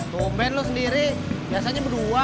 domen lo sendiri biasanya berdua